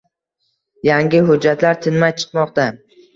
Yangi hujjatlar tinmay chiqmoqda.